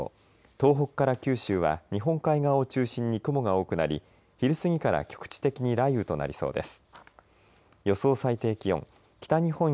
東北から九州は日本海側を中心に雲が多くなり昼過ぎから局地的に雷雨となりそうです。